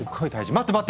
待って待って！